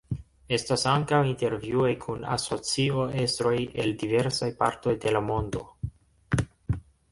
Estas ankaŭ intervjuoj kun asocio-estroj el diversaj partoj de la mondo.